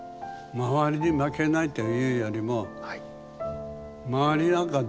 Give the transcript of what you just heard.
周りに負けないというよりもはあ。